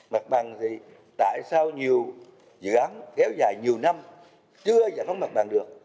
mặt bằng thì tại sao nhiều dự án kéo dài nhiều năm chưa giải phóng mặt bằng được